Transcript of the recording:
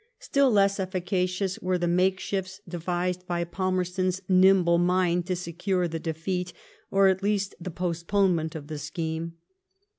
Still less e£Boacioas were the makeshifts devised by Palmerston's nimble mind to secure the defeat, or, at least, the post ponement of the scheme.